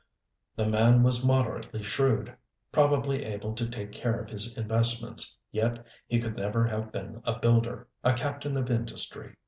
The man was moderately shrewd, probably able to take care of his investments, yet he could never have been a builder, a captain of industry.